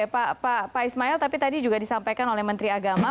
pak ismail tapi tadi juga disampaikan oleh menteri agama